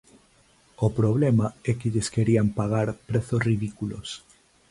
O problema é que lles querían pagar prezos ridículos.